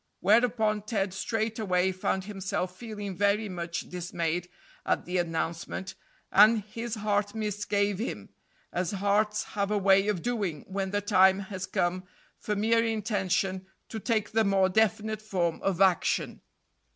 Whereupon Ted straightway found himself feeling very much dismayed at the announcement, and his heart misgave him, as hearts have a way of doing when the time has come for mere intention to take the more definite form of action.